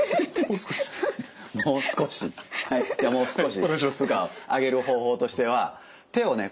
はいじゃあもう少し負荷を上げる方法としては手をね